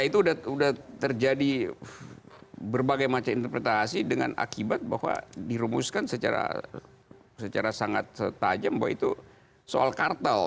itu sudah terjadi berbagai macam interpretasi dengan akibat bahwa dirumuskan secara sangat tajam bahwa itu soal kartel